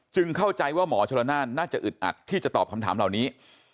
เข้าใจว่าหมอชลนานน่าจะอึดอัดที่จะตอบคำถามเหล่านี้